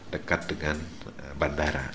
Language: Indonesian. dekat dengan bandara